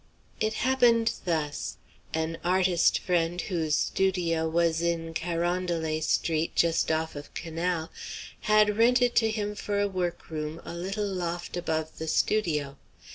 It happened thus: An artist friend, whose studio was in Carondelet Street just off of Canal, had rented to him for a workroom a little loft above the studio.